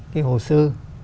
cái hồ sơ